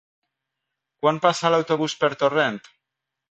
Quan passa l'autobús per Torrent?